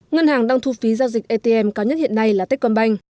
ngân hàng đang thu phí giao dịch atm cao nhất hiện nay là techcombank